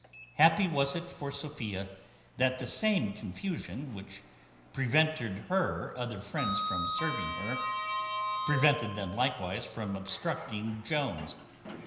Happy was it for Sophia that the same confusion which prevented her other friends from serving her, prevented them likewise from obstructing Jones.